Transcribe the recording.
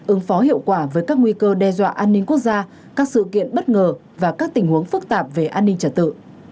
ứng phó hiệu quả với các nguy cơ đe dọa an ninh quốc gia các sự kiện bất ngờ và các tình huống phức tạp về an ninh trật tự